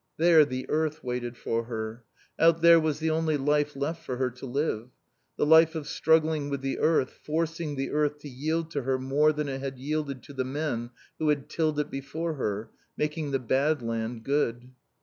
There the earth waited for her. Out there was the only life left for her to live. The life of struggling with the earth, forcing the earth to yield to her more than it had yielded to the men who had tilled it before her, making the bad land good.